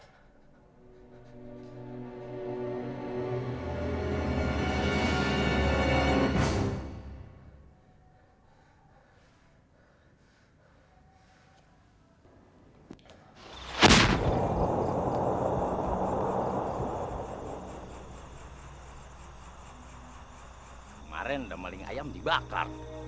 kemarin demeling ayam dibakar